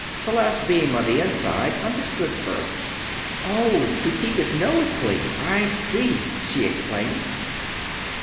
Celeste, being on the inside, understood first. "Oh to keep his nose clean I see!" she exclaimed.